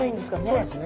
そうですね。